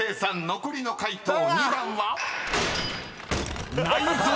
残りの解答２番は］